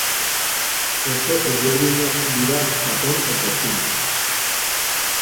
Oso ezberdinak dira Japon eta Txina.